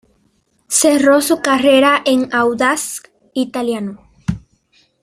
Cerró su carrera en Audax Italiano.